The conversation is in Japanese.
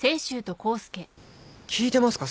聞いてますか？